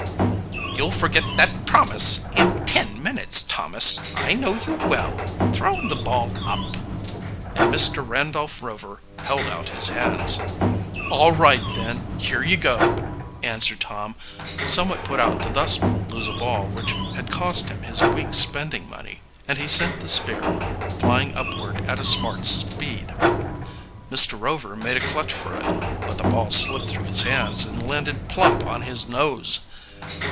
"You'll forget that promise in ten minutes, Thomas; I know you well. Throw the ball up," and Mr. Randolph Rover held out his hands. "All right, then; here you go," answered Tom, somewhat put out to thus lose a ball which had cost him his week's spending, money; and he sent the sphere flying upward at a smart speed. Mr. Rover made a clutch for it, but the ball slipped through his hands and landed plump on his nose.